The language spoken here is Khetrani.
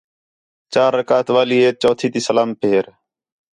چار رکعت والی ہِیت چوتھی تی سلام پھیر